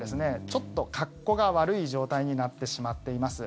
ちょっと、格好が悪い状態になってしまっています。